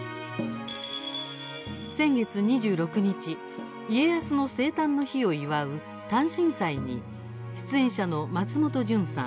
先月２６日家康の生誕の日を祝う祭事誕辰祭に出演者の松本潤さん